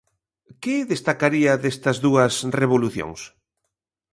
Que destacaría destas dúas revolucións?